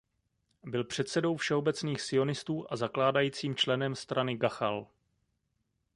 Byl předsedou Všeobecných sionistů a zakládajícím členem strany Gachal.